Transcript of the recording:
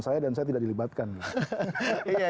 saya dan saya tidak dilibatkan iya iya